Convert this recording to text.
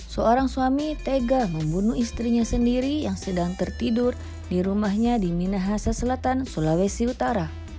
seorang suami tega membunuh istrinya sendiri yang sedang tertidur di rumahnya di minahasa selatan sulawesi utara